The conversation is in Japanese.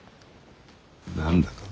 何だと？